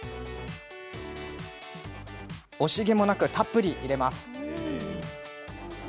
惜しげもなく、たっぷり入れます。